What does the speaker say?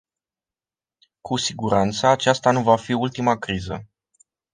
Cu siguranță, aceasta nu va fi ultima criză.